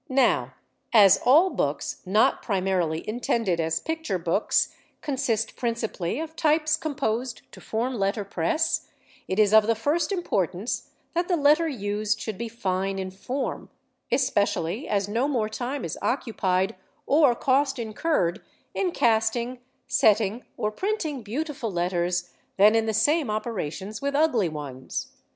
Now, as all books not primarily intended as picture books consist principally of types composed to form letterpress, it is of the first importance that the letter used should be fine in form; especially as no more time is occupied, or cost incurred, in casting, setting, or printing beautiful letters than in the same operations with ugly ones.